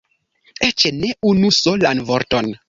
Eĉ ne unu solan vorton!